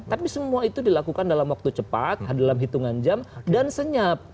tapi semua itu dilakukan dalam waktu cepat dalam hitungan jam dan senyap